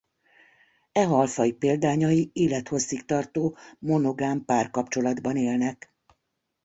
E halfaj példányai élethosszig tartó monogám párkapcsolatban élnek.